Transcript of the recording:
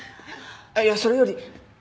あっいやそれより。